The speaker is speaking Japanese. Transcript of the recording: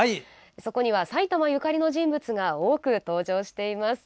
そこには埼玉ゆかりの人物が多く登場しています。